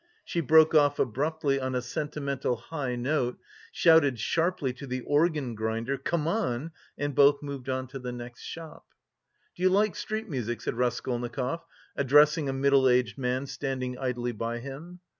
She broke off abruptly on a sentimental high note, shouted sharply to the organ grinder "Come on," and both moved on to the next shop. "Do you like street music?" said Raskolnikov, addressing a middle aged man standing idly by him.